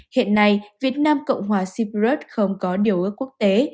hiện nay việt nam cộng hòa sipress không có điều ước quốc tế